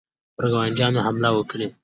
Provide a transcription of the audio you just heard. پر ګاونډیانو حمله وکړي.